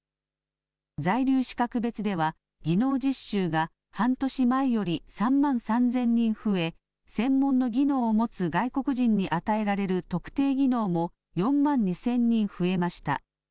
在留資格別では技能実習が半年前より３万３０００人増え専門の技能を持つ外国人に与えられる特定技能も４万２０００人増えました。